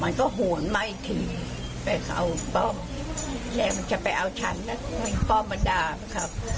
มันก็ห่วงไม่ถึงไปเข้าป้อมแรกมันจะไปเอาฉันแล้วก็ให้ป้อมมาดาบครับ